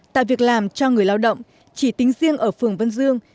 tại việc làm cho người lao động chỉ tính riêng ở phường vân dương